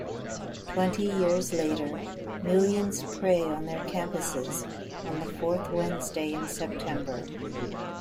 Twenty years later, millions pray on their campuses on the fourth Wednesday in September.